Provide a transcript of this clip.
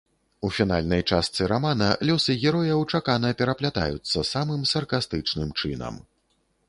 У фінальнай частцы рамана лёсы герояў чакана пераплятаюцца самым саркастычным чынам.